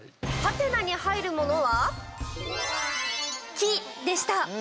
「？」に入るものは木でした。